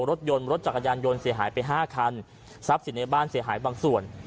รถยนต์รถจักรยานยนต์เสียหายไปห้าคันทรัพย์สินในบ้านเสียหายบางส่วน